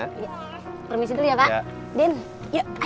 permisi dulu ya pak